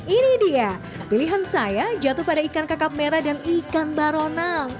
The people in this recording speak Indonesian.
ini dia pilihan saya jatuh pada ikan kakap merah dan ikan baronang